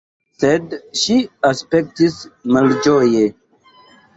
Sed ŝi aspektis malĝoje.